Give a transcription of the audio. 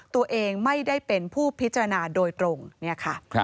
ตัวเองไม่ได้เป็นผู้พิจารณาโดยตรงเนี่ยค่ะ